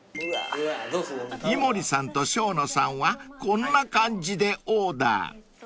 ［井森さんと生野さんはこんな感じでオーダー］